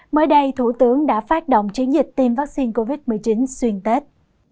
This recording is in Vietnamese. mới đây thủ tướng đã phát động chiến dịch tiêm vaccine covid một mươi chín xuyên tết